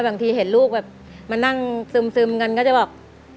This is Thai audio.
บางทีเห็นลูกแบบมานั่งซึมกันก็จะแบบ